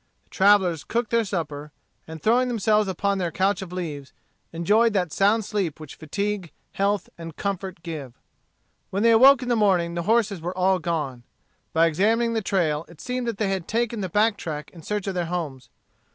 The travellers cooked their supper, and throwing themselves upon their couch of leaves, enjoyed that sound sleep which fatigue, health, and comfort give. When they awoke in the morning the horses were all gone. By examining the trail it seemed that they had taken the back track in search of their homes.